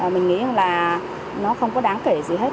mình nghĩ rằng là nó không có đáng kể gì hết